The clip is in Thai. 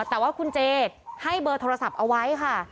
แต่ว่าคุณเจให้เบอร์โทรศัพท์เอาไว้ค่ะ